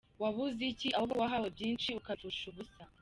Wabuze iki? Ahubwo ko wahawe byinshi ukabipfusha ubusa!.